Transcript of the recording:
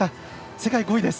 世界５位です。